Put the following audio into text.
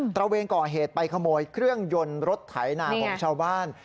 ระเวนก่อเหตุไปขโมยเครื่องยนต์รถไถนาของชาวบ้าน